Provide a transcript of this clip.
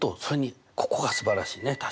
それにここがすばらしいね